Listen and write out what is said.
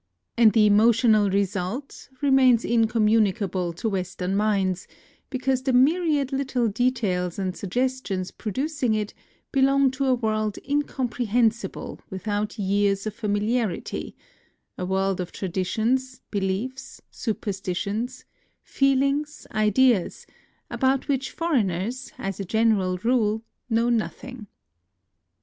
And the emotional re sult remains incommunicable to Western minds, because the myriad little details and suggestions producing it belong to a world incomprehensible without years of familiarity, — a world of traditions, beliefs, superstitions, 60 NOTES OF A TRIP TO KYOTO feelings, ideas, about wliicli foreigners, as a general rule, know notMng.